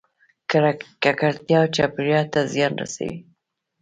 ککړتیا چاپیریال ته زیان رسوي